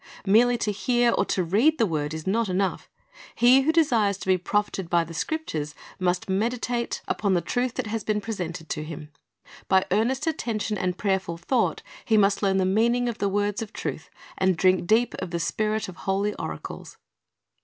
Merely to hear or to read the word is not enough. He who desires to be profited by the Scriptures must meditate 'Heb. 11:6 ^iXhess. 2:13 » Acts 10:33 6o Christ's Object Lessons upon the truth that has been presented to him. By earnest attention and prayerful thought he must learn the meaning of the words of truth, and drink deep of the spirit of the holy oracles.